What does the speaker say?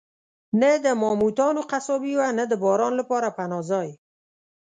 نه د ماموتانو قصابي وه، نه د باران لپاره پناه ځای.